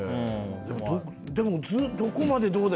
でもどこまでどうで。